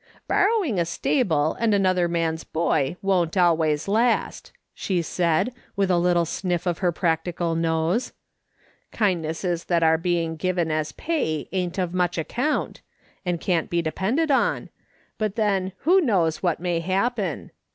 " Borrowing a stable and another man's boy won't always last," she said, with a little sniff of her practi cal nose. " Kindnesses that are being given as pay ain't of much account, and can't be depended on, but then who knows what may happen